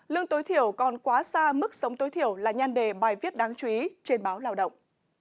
lương tối thiểu còn quá xa mức sống tối thiểu là nhan đề bài viết đáng chú ý trên báo lao động